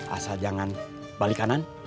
asal jangan balik kanan